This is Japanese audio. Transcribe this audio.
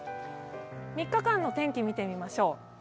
３日間の天気を見てみましょう。